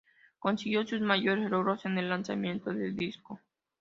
Consiguió sus mayores logros en el lanzamiento de disco.